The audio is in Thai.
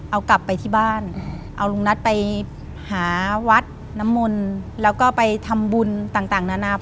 เอากลับไปที่บ้านเอาลุงนัทไปหาวัดน้ำมนต์แล้วก็ไปทำบุญต่างนานา